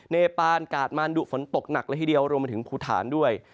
เนปานกาดมานดุฝนตกหนักเลยทีเดียวรวมไปถึงภูฐานด้วย